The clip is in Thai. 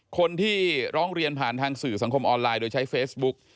คนที่ร้องเรียนผ่านทางสื่อสังคมออนไลน์โดยใช้เฟซบุ๊ก